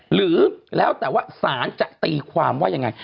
หรือแล้วแต่ว่าศาลจะตีความว่ายังไง